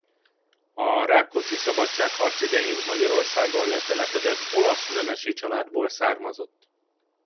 A Rákóczi-szabadságharc idején Magyarországon letelepedett olasz nemesi családból származott.